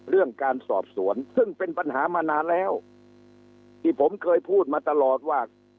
เรื่องการสอบสวนซึ่งเป็นปัญหามานานแล้วที่ผมเคยพูดมาตลอดว่า